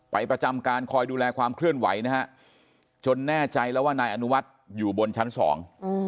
ประจำการคอยดูแลความเคลื่อนไหวนะฮะจนแน่ใจแล้วว่านายอนุวัฒน์อยู่บนชั้นสอง